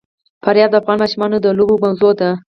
فاریاب د افغان ماشومانو د لوبو موضوع ده.